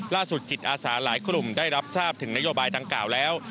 ล่าสุดจิตอสารหลายกลุ่มได้รับทราบถึงนโยบายต่างกล่าวแล้ว